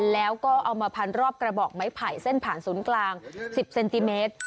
แล้วก็เอามาพันรอบกระบอกไม้ไผ่เส้นผ่านศูนย์กลาง๑๐เซนติเมตร